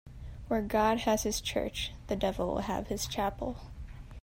Where God has his church, the devil will have his chapel.